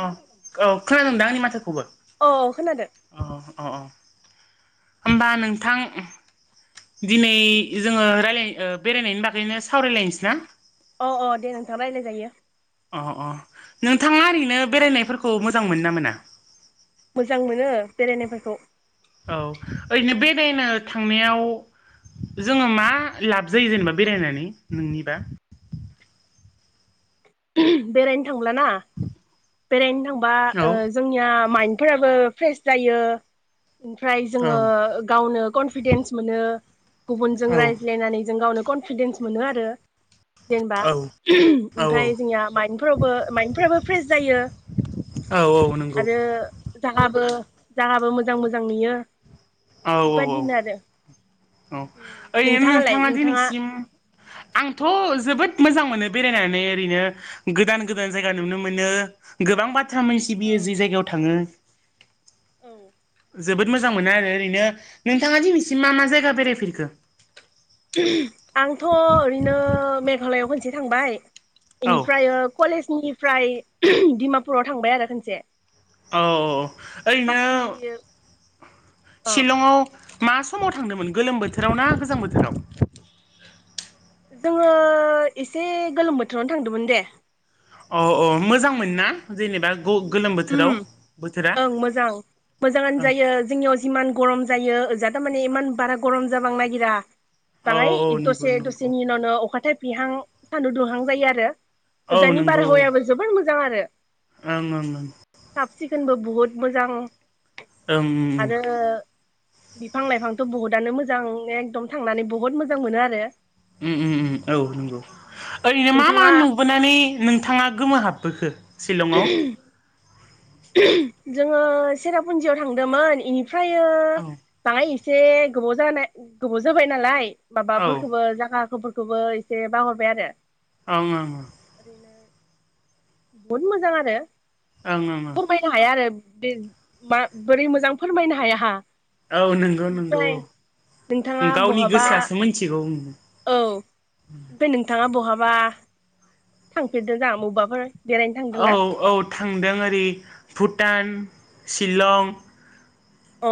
अ औ खोनादों दा आंनि माथो खौबो? अ खोनादों अ अ अ होमबा नोंथां दिनै जोंङो रायलाय ओ बेरायनायनि बागैनो सावरायलायनोसै ना? अ अ दे नोंथां रायलाय जायो अ अ नोंथांङा ओरैनो बेरायनायफोरखौ मोजां मोनो ना मोना? मोजां मोनो बेरायनायफोरखौ औ ओरैनो बेरायनो थांनायाव जोंङो मा लाब जायो जेनेबा बेरायनानै नोंनिबा उमह बेरायनो थांब्लाना बेरायनो थांबा औ ओ जोंनिया माइन्दफोराबो फ्रेस जायो ओमफ्राय औ जोंङो गावनो कनफिडेन्स मोनो गुबुनजों औ रायज्लायनानै जों गावनो कनफिदेन्स मोनो आरो जेनेबा औ उमह औ ओमफ्राय जोंनिया माइनफ्रावबो माइफ्राबो फ्रेस जायो औ औ नंगौ आरो जाबो जाहाबो मोजां मोजां नुयो औ औ औ बेबायदिनो आरो औ ओरैनो नोंथाङालाय नोंथांङा नोंथाङा दिनैसिम आंथ' जोबोद मोजां मोनो बेरायनानै ओरैनो गोदान गोदान जायगा नुनो मोनो गोबां बाथ्रा औ मोनसिबियो जि जायगायाव थांङो औ जोबोद मोजां मोनो आरो ओरैनो नोंथांङा दिनैसिम मा मा जायगा बेरायफेरखो? उमह आंथ' ओरैनो मेघालयआव खनसे थांबाय औ बेनिफ्राय ओ कलेज निफ्राय उमह डिमापुराव थांबाय आरो खोनसे औ औ ओरैनो अ शिलंङाव मा समाव थांदोंमोन गोलोम बोथोराव ना गोजां बोथोराव? जोंङो एसे गोलोम बोथोरावनो थांदोंमोन दे। अ औ मोजां मोन ना? जेनेबा गोलोम बोथोराव उम बोथोरा ओं मोजां मोजांङानो ओं जायो जोंनियाव जिमान गरम जायो ओजाथ'माने इमान बारा गरम जाबां नागिर औ औ बांङाय नंगौ दसे नंगौ दसेनि उनावनो अखा थायफ्रिहां सान्दुं दुंहां जायो आरो औ ओजानि नंगौ बारहावायाबो ओं जोबोर मोजां आरो ओं ओं ओं [unintelligible] बहुत, मोजां, ! ओम बिफां लाइफांथ' बहुदआनो मोजां एकदम थांनानै बहुत मोजां मोनो आरो उम उम उम औ नंगौ ओरैनो मा मा नोंथाङा नुबोनानै नोंथांंङा गोमोहाब बोखो शिलंङाव उमह जोंङो सेरापुन्जियाव थांदोंमोन इनिफ्रायो औ ओं बांङाय एसे गोबाव जानाय गोबाव जोबाय नालाय ओं माबाफोरखौबो जागा [unintelligible] ' फोरखौबो एसे बावगारबाय आरो ओं ओं ओरैनो बहुद मोजां आरो ओं ओं फोरमायनो हाया आरो बे बा बोरै मोजां फोरमायनो हाया हा औ नंगौ नंगौ ओमफ्राय नोंथाङा औ गावनि बहाबा गोसोआसो मोनथिगौ औ बे नोंथांङा बहाबा थांफेरदों जां मबाफोर बेरायनो थांदों औ ना? औ थांदों ओरै भुटान शिलं अ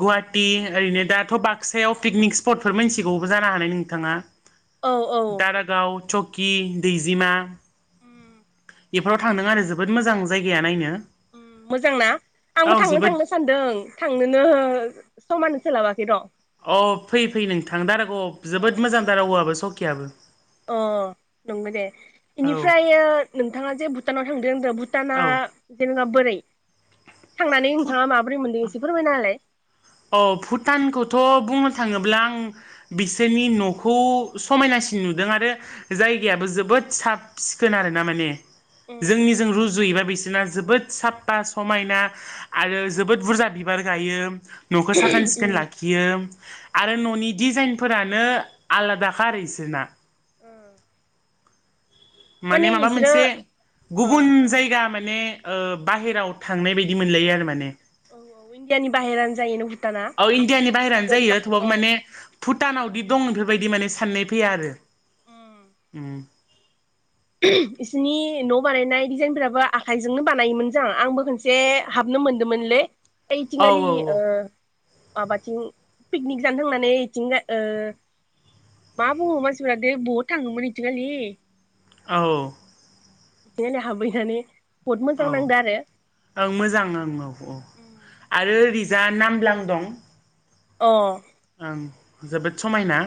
गुवाहाटि ओरैनो दाथ बाक्सायाव पिकनिक स्पटफोर मिथिगौ जानो हानाय नोंथांङा? औ औ दारागाव सकि दैजिमा उम बेफोराव थांदों आरो जोबोद मोजां जायगाया नायनो। ओम मोजां ना? औ आंबो थांनो जोबोद थांनो सान्दों थांनो नो समानो सोलाबाखै र'। अ फै फै नोंथां दारागाव आव जोबोद मोजां दारागावाबो औवबो सकियाबो। अ नंगौ दे औ एनिफ्रायो नोंथाङा जे भुटानाव थां दों भुटाना औ जेनेबा बोरै? थांनानै भुट नोंथाङा माबोरै मोनदों एसे फोरमायना होलाय? औ भुटानखौथ' बुंनो थाङोब्ला आं बिसोरनि न'खौ समायनासिन नुदों आरो जायगायाबो जोबोद साब सिखोन आरोना माने जोंनि जों रुजु रुजुयोबा बिसोरना जोबोद साफ्फा समायना आरो जोबोद बुरजा बिबार गायो। न'खौ साखोन सिखोन लाखियो आरो ननि डिजाइन फोरानो आलादाखा आरो इसोरना। ओ। माने माबा मोनसे ओ गुबुन जायगा माने माने ओ बाहेराव थांनाय बायदि मोनलायो आरो माने। औ औ इण्डिया नि बाहेरानो जायो औ इण्डियानि बाहेरानो जायो थेवाबो माने भुत भुटानावदि दं' इफोरबायदि माने साननाय फैया आरो ओम [unintelligible] इसिनि न' बानायनाय डिजाइनफ्राबो आखाइजोंनो बानायोमोन जां आंबो खनसे हाब नो मोनदों मोनलै ऐ औ थिंयालि औ ओ माबाथिं पिकनिक जानो थांनानै ओइथिं ओ मा बुङो मानसिफ्रा दै बहुद थाङोमोन इथिंखालि औ औ। [unintelligible] हाबैनानै औ ओं मोजां ओं औ औ आरो जा नामल्बां दं। अ। ओं जोबोद समायना।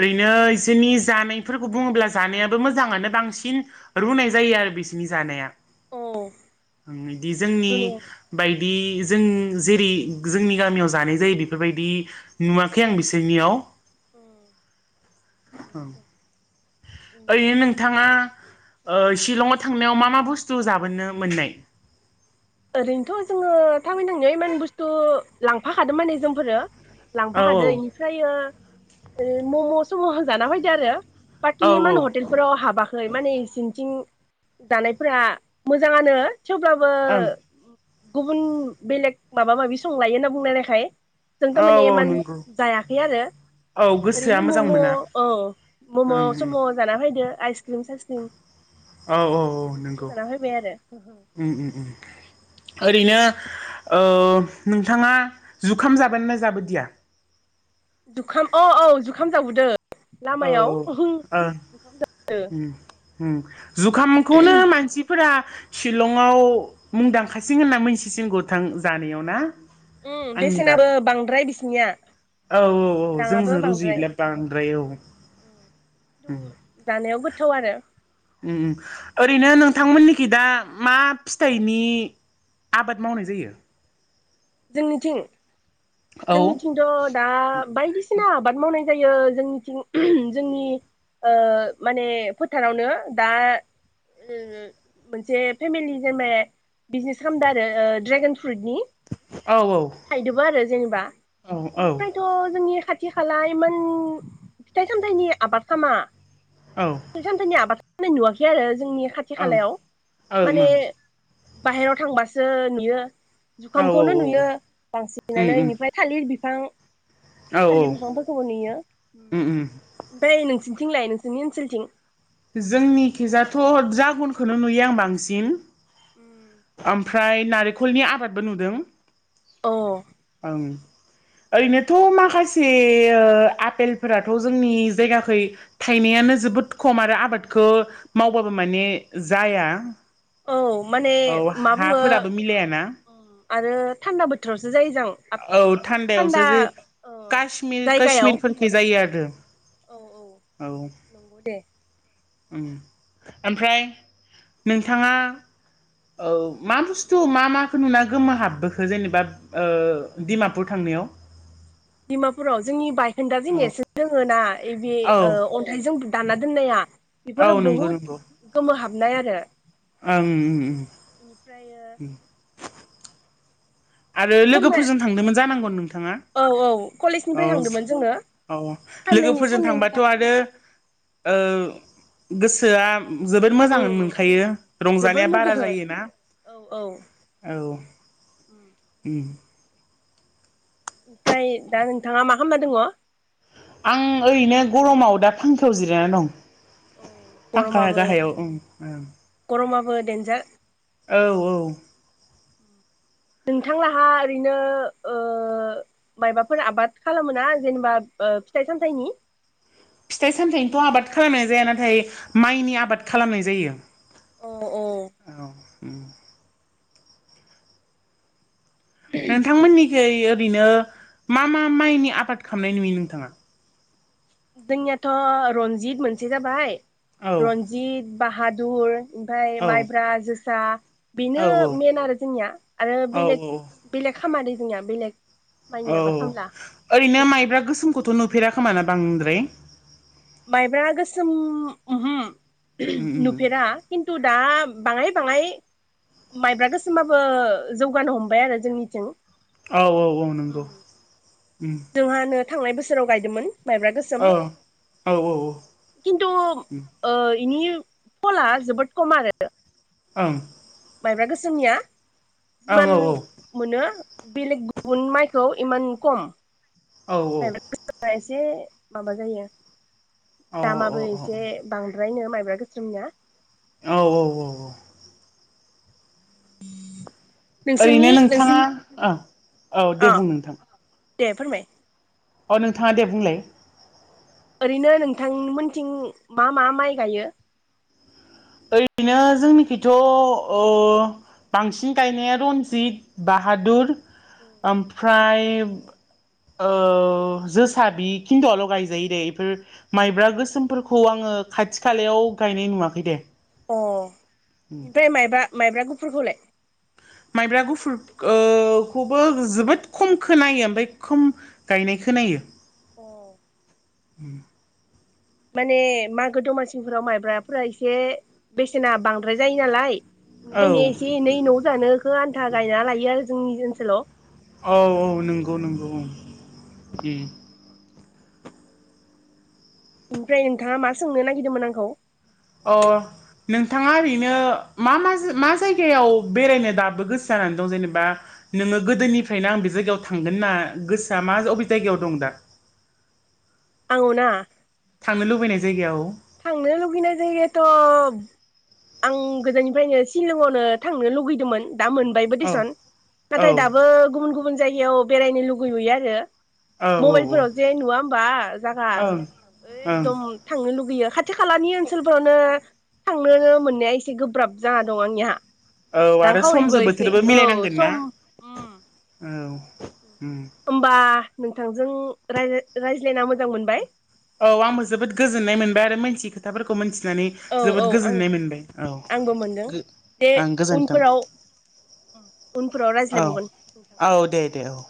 ओरैनो इसोरनि जानायफोरखौ बुङोब्ला जानायाबो मोजाङानो बांसिन रुनाय जायो आरो बिसिनि जानिया औ ओं इदि जोंनि दुनिया बाय दि जों जेरै जोंनि गामियाव जानाय जायो बेफोरबायदि नुवाखै आं बिसोरनियाव। औ ओरैनो नोंथाङा ओ शिलं'आव थांनायाव मा मा बुस्थु जाबोनो मोननाय? ओरैनोथ' जोङो थाबायनो थांनाया इमान बुस्थु लांफाखादों माने जोंफोरो। औ लांफा खादो इनिफ्रायो ओ मम' सम' जाना फैदो आरो। औ बाखि इमान ओं हटेलफोराव हाबा खै माने इसिनथिं जानायफोरा मोजाङानो थेवब्लाबो गुबुन बेलेग माबा माबि संलायो होनना बुंलायनायखाय जों औ थारमाने औ इमान नंगौ जायाखै आरो। औ गोसोआ ओरैनो मोजां मोना मम'औ मम' ओं ओं सम' जाना फैदो आइसक्रिम साइसक्रिम। औ औ औ बेफोरखौ नंगौ जाना फैबाय आरो। [unintelligible] उम उम उम ओरैनो ओ नोंथाङा जुखाम जाबोना जाबोदिया? जुखाम अ औ जुखाम जाबोदो। औ लामायाव [unintelligible] ओं जुखाम जाबोदो। उम उम जुखामखौनो मानसिफोरा शिलंआव मुंदांखासिं होनना मोनथिसिनगौ थां जानायाव ना? उम आंनिबा बेसेनाबो बांद्राय बिसिनिया। औ औ औ राङाबो जोंजों रुजुब्ला बांद्राय औ। खिनथु जानायाव गोथाव आरो। उम उम ओरैनो नोंथांमोननि कि दा मा फिथाइनि आबाद मावनाय जायो? जोंनिथिं औ जोंनिथिंथ' दा बायदिसिना आबाद मावनाय जायो जोंनिथिं जोंनि ओ माने फोथारावनो दा उ उ मोनसे फेमिलि जेमे बिजनेस खालामदो आरो ड्रेगन फ्रुटनि औ थायदोबो आरो जेनेबा औ ओं ओं बेनिफ्रायथ' जोंनि खाथि खालायमोन फिथाइ सामथाइनि आबाद खालामा ओं फिथाइ सामथाइनि आबाद मे नुवाखै आरो जोंनि खाथि खालायाव औ औ उम माने बाहेराव थांबासो नुयो जुखामखौनो नुयो बांसिननानै उम इनिफ्राय थालिर औ थालि बिफांफोरखौबो नेुयो उम बै नोंसिनि थिंलाय नोंसि जोंनि किजाथ' जागनखौनो नुयो आं बांसिन फ्राय नारेंखलनि आबादबो नुदों अ। उ। ओरैनोथ' माखासे ओ आफपेलफोराथ' जोंनि जायगाखै थायनायान नो जोबोद खम आरो आबादखौ मावबाबो माने जाया। औ माने औ मा बुङो हाफोराबो मिलायाना आरो थान्दा बोथोरावसो जायो जां औ थान्दा थान्दायावसो जायगायाव इफोरखि जायो आर औ औ नंगौ दे। ओं ओमफ्राय नोंथाङा औ मा बुस्थु मा माखौ नुना गोमो हाबबोखो जेनेबा ओ डिमापुर थांनायाव? डिमापुराव जोंनि बायखोन्दा जे औ नेरसोन दोङो ना ए बे औ ओ अन्थाइजों दाना दोननाया औ बेफोरो नंगौ बहुद नंगौ गोमोहाबनाय आरो। ओं। इनिफ्रायो आरो फोरमाय लोगोफोरजों थांदोंमोन जानांगौ ओंओ औ औ औ कलेजनिफ्राय थांदोंमोन जोङो औ औ साननैनि लोगोफोरजों साननैनि थांबाथ' थाखाय आरो ओ गोसोआ जोबोद मोजांआनो उम मोनखायो जोबोर रंजानाया बारा मोजां जायोना। औ औ औ। उम उ। ओमफ्राय दा नोंथाङा मा खालामबा दङ? आं ओरैनो गरमाव दा फांखआव जिरायनानै दं। फांखा गरमाबो गाहायाव। बो देनजार औ औ। नोंथांलाहा ओरैनो ओ मायबाफोर आबाद खालामो ना जेनेबा ओ फिथाइ सामथाइनि? फिथाइ सामथायाइनिथ' आबाद खालामनाय जाया नाथाय माइनि आबाद खालामनाय जायो। औ उ। नोंथांमोननिखै ओरैनो मा मा माइनि आबाद खालामनाय नुयो नोंथाङा? जोंनियाथ' रनजित मोनसे जाबाय औ रन्जित बाहादुर ओमफाय औ माइब्रा जोसा बेनो औ मेन आरो जोंनिया आरो औ बेलेग बेलेग खामानि जोंनिया बेलेग माइनि औ आबाद खामला ओरैनो नोंसोर माइब्रा गोसोमखौथ' नुफेर खोमा ना बांद्राय माइब्रा गोसोम उम उम नुफेरा खिन्थु दा बाङाय बाङाय माइब्रा गोसोमाबो जौगानो हमबाय आरो जोंनिथिं औ औ औ नंगौ उम जोंहानो थांनाय बोसोराव गायदोंमोन माइब्रा गोसोम औ औ औ ओं खिन्थु ओ बिनि फला जोबोद खम आरो ओं। माइब्रा गोसोमनिया औ जिमान मोनो बेलेग गुबुन माइखौ इमान खम औ [inaudible] एसे माबा जायो औ औ दामाबो औ एसे बां बांद्रायनो माइब्रा गोसोम ना औ औ औ औ [unintelligible] ओरैनो नों नोंथाङा औ दे अ बुं नोंथां दे फोरमाय अ नोंथाङा दे बुंलाय। ओरैनो नोंथांमोनथिं मा मा माइ गायो? ओरैनो जोंनिखिथ' बांसिन गायनाया रन्जित बाहादुर अ ओमफ्राय जोसा बि खिन्थुआल' गायजायो दे बेफोर माइब्रा गोसोमफोरखौ आङो खाथि खालायाव गायनाय नुवाखै दे अ ओमफ्राय माइब्रा माइब्रा गुफुरखौलाय? माइब्रा गुफुरखौबो जोबोद खम खोनायो ओमफ्राय खम गायनायखो खोनायो औ, [inaudible] माने मागो दमासिफोराव माइब्राफोरा एसे बेसेना बांद्राय जायो नालाय बेनिखायनो औ एसे एनै न' जानोखौ आन्था गायना लायो आरो जोंनि ओनसोलाव औ औ नंगौ नंगौ औ। [inaudible] ओमफ्राय नोंथाङा मा सोंनो नागिरदोंमोन आंखौ? अ' नोंथाङा ओरैनो मा मा जायगायाव बेरायनो दाबो गोसो जानानै दं जेनेबा? नोङो गोदोनिफ्रायनो आं बे जायगायाव थांगोन ना गोसोआ मा अबे जायगायाव दं दा? आङो ना! थांनो लुबैनाय जायगायाव औ थांनो लुगैनाय जायगाथ' आं गोजाननिफ्रायनो सिलंआवनो थांनो लुगैदोंमोन? दा मोनबायबो दिसन। औ औ नाथाय दाबो गुबुन गुबुन जायगायाव बेरायनो लुुबैयोयो आरो औ मबाइलफोराव जे ओं नुवा होमबा जायागा ओं एकदम थांनो लुबैयो खाथि खालानि ओनसोलफोरावनो थांनोनो मोननाया एसे गोब्राब जाना दं आंनिहा औ आरो रांखावरिबो समजों एसे बोथोरबो औ मिलायनांगोन ना सम औ उम होनबा नोंथांजों रायज्लायना मोजां मोनबाय। औ आंबो जोबोद गोजोननाय मोनबाय आरो मोनथि खोथाफोरखौ मोनथि मिथिनानै औ औ जोबोद आं गोजोननाय मोनबाय आंबो मोनदों औ दे आं गोजोन्थों। उनफोराव उनफोराव औ रायज्लायबावगोन नोंथां औ दे दे औ ‌।